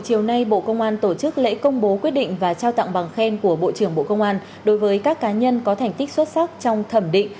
chiều nay bộ công an tổ chức lễ công bố quyết định và trao tặng bằng khen của bộ trưởng bộ công an đối với các cá nhân có thành tích xuất sắc trong thẩm định